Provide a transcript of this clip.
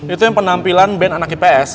itu yang penampilan band anak ips